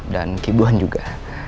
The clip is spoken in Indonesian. dan kibuhan juga